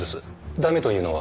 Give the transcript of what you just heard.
駄目というのは？